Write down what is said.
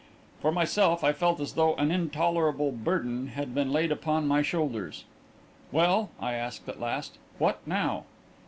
For myself, I felt as though an intolerable burden had been laid upon my shoulders. "Well," I asked, at last, "what now?"